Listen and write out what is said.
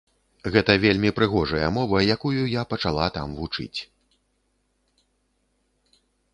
Гэта вельмі прыгожая мова, якую я пачала там вучыць.